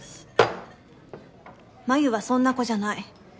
真夢はそんな子じゃない。